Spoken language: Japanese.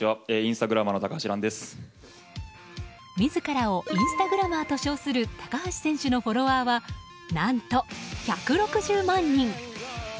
自らインスタグラマーを称する高橋選手のフォロワーは何と１６０万人。